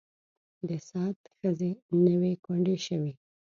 د سعد ښځې نه وې کونډې شوې.